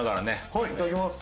はいいただきます。